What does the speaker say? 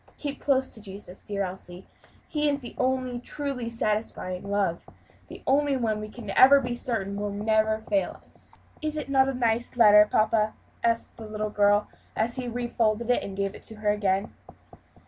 Keep close to Jesus, dear Elsie: His is the only truly satisfying love the only one we can be certain will never fail us." "Is it not a nice letter, papa?" asked the little girl, as he refolded and gave it to her again.